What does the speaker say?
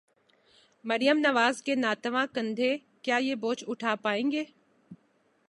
مریم نواز کے ناتواں کندھے، کیا یہ بوجھ اٹھا پائیں گے؟